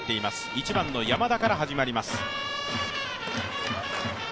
１番の山田から始まります。